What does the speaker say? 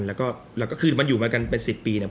แล้วก็คือมันอยู่มากันเป็น๑๐ปีเนี่ย